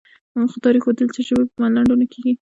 خو تاریخ ښودلې، چې ژبې په ملنډو نه ورکېږي،